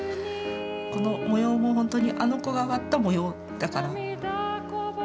この模様もほんとにあの子が割った模様だから。